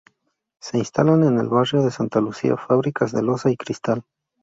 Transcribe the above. Se instalan en el barrio de Santa Lucía fábricas de loza y cristal.